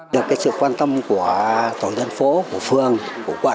được sự quan tâm của tổ dân phố của phường của quận